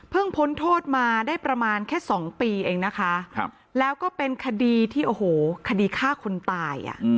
พ้นโทษมาได้ประมาณแค่๒ปีเองนะคะแล้วก็เป็นคดีที่โอ้โหคดีฆ่าคนตาย